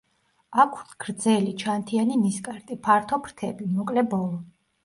აქვთ გრძელი, ჩანთიანი ნისკარტი, ფართო ფრთები, მოკლე ბოლო.